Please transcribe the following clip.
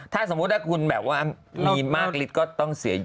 ถ้าสมมุติถ้าคุณแบบว่ามีมากลิตรก็ต้องเสียเยอะ